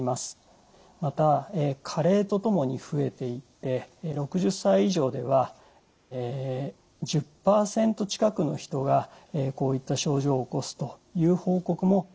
また加齢とともに増えていって６０歳以上では１０％近くの人がこういった症状を起こすという報告も国際的にはされています。